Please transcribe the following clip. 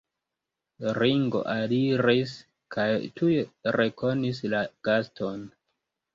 Ringo aliris kaj tuj rekonis la gaston.